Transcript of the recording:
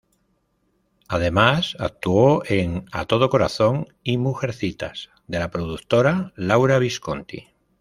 Además, actuó en "A Todo Corazón" y "Mujercitas" de la productora Laura Visconti.